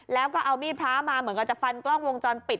แล้วก็เอามีดพระมาเหมือนกันจะฟันกล้องวงจรปิด